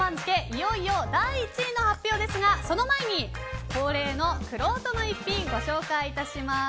いよいよ第１位の発表ですがその前に、恒例のくろうとの逸品ご紹介します。